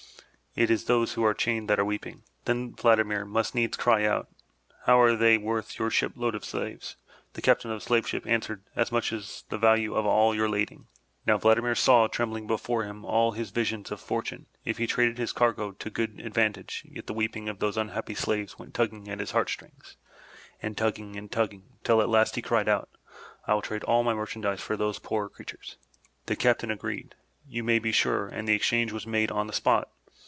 It is those who are chained that are weeping.*' Then Vladimir must needs cry out, *'How much are they worth — ^your ship load of slaves?" and the Captain of the slave ship answered, "As much as the value of all your lading!'' 369 MY BOOK HOUSE Now Vladimir saw trembling before him all his visions of fortune, if he traded his cargo to good advantage, yet the weeping of those unhappy slaves went tugging at his heart strings, and tugging, and tugging, till at last he cried out, "I will trade all my merchandise for those poor creatures/* The Captain agreed, you may be sure, and the exchange was made on the spot.